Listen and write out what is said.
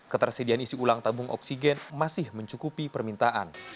ketersediaan isi ulang tabung oksigen masih mencukupi permintaan